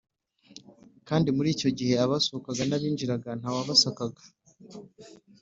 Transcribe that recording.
kandi muri icyo gihe abasohokaga n abinjiraga nta wabasakaga